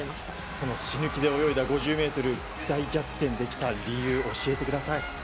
その死ぬ気で泳いだ５０ｍ大逆転できた理由教えてください。